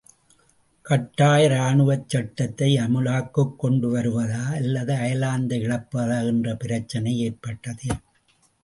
கட்டாய ராணுவச் சட்டத்தை அமுலுக்குக் கொண்டுவருவதா அல்லது அயர்லாந்தை இழப்பதா என்ற பிரச்சினை ஏற்பட்டது.